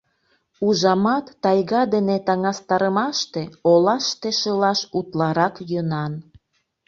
Ужамат, тайга дене таҥастарымаште, олаште шылаш утларак йӧнан.